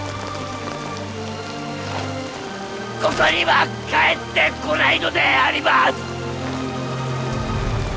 ここには帰ってこないのであります！